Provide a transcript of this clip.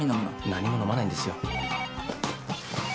何ものまないんですよ。